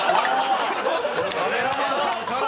ああカメラマンさんから。